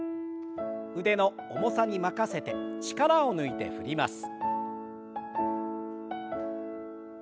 腕の重さに任せて力を抜いて振ります。